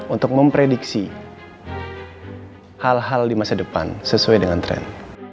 untuk memprediksi hal hal di masa depan sesuai dengan tren